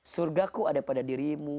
surgaku ada pada dirimu